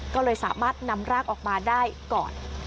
ก็เลยสามารถนำร่างออกมาได้ก่อน